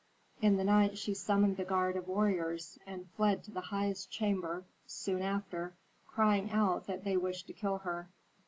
In the night she summoned the guard of warriors, and fled to the highest chamber soon after, crying out that they wished to kill her.